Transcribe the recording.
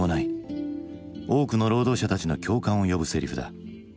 多くの労働者たちの共感を呼ぶセリフだ。